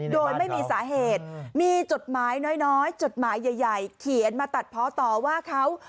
โดยไม่มีสาเหตุมีจดหมายน้อยจดหมายใหญ่เขียนมาตัดเพาะต่อว่าเขา